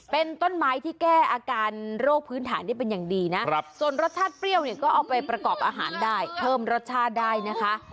เป็นต้นไม้ที่แก้อาการโรคพื้นฐานได้เป็นอย่างดีนะส่วนรสชาติเปรี้ยวเนี่ยก็เอาไปประกอบอาหารได้เพิ่มรสชาติได้นะคะ